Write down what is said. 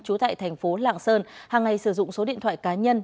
trú tại thành phố lạng sơn hàng ngày sử dụng số điện thoại cá nhân